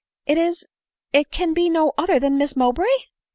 it is— it can be no other than Miss Mowbray."